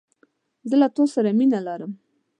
زه له تاسره مینه لرم